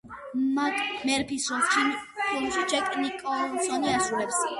მაკ მერფის როლს ფილმში ჯეკ ნიკოლსონი ასრულებს.